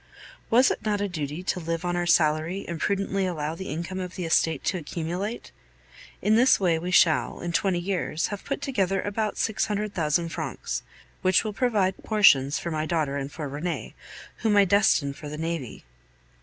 Was it not a duty to live on our salary and prudently allow the income of the estate to accumulate? In this way we shall, in twenty years, have put together about six hundred thousand francs, which will provide portions for my daughter and for Rene, whom I destine for the navy.